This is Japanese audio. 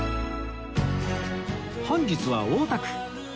本日は大田区